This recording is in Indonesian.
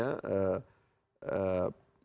ya itu semuanya bersama presiden